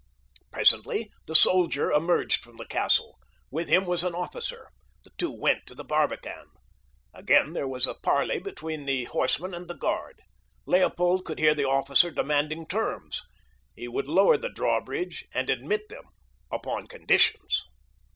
Presently the soldier emerged from the castle. With him was an officer. The two went to the barbican. Again there was a parley between the horsemen and the guard. Leopold could hear the officer demanding terms. He would lower the drawbridge and admit them upon conditions.